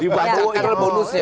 dibacakkan dari bonus ya